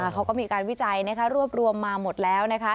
เขาก็มีการวิจัยรวบรวมมาหมดแล้ว